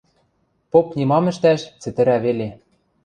Поп нимам ӹштӓш, цӹтӹрӓ веле.